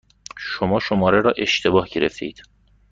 شما شماره را اشتباه گرفتهاید.